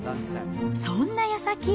そんなやさき。